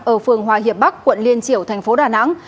ở phường hòa hiệp bắc quận liên triểu thành phố đà nẵng